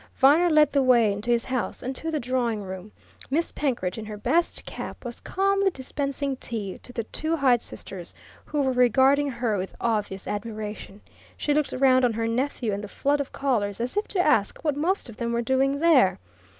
Viner led the way into his house and to the drawing room. Miss Penkridge, in her best cap, was calmly dispensing tea to the two Hyde sisters, who were regarding her with obvious admiration. She looked round on her nephew and the flood of callers as if to ask what most of them were doing there.